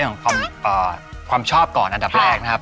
ของความชอบก่อนอันดับแรกนะครับ